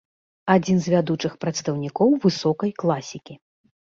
Адзін з вядучых прадстаўнікоў высокай класікі.